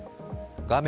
画面